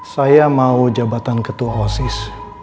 saya mau jabatan ketua osis